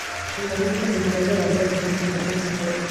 En conjunto con Santa Rosa de Arriba, forman Santa Rosa.